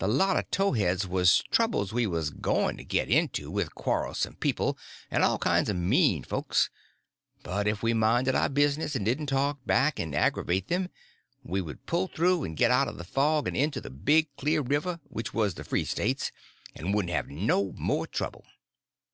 The lot of towheads was troubles we was going to get into with quarrelsome people and all kinds of mean folks, but if we minded our business and didn't talk back and aggravate them, we would pull through and get out of the fog and into the big clear river, which was the free States, and wouldn't have no more trouble.